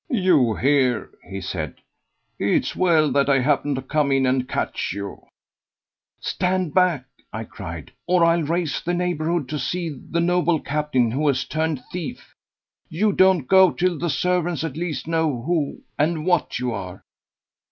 "You here!" he said. "It's well that I happened to come in and catch you." "Stand back!" I cried, "or I'll raise the neighbourhood to see the noble captain who has turned thief. You don't go till the servants at least know who and what you are."